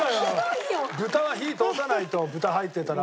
豚は火通さないと豚入ってたら。